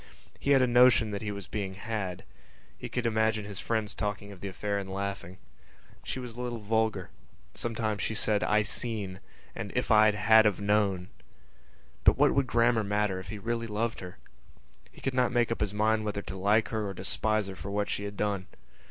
He had a notion that he was being had. He could imagine his friends talking of the affair and laughing. She was a little vulgar; sometimes she said "I seen" and "If I had've known." But what would grammar matter if he really loved her? He could not make up his mind whether to like her or despise her for what she had done.